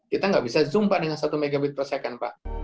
kita nggak bisa zumpa dengan satu megabit per second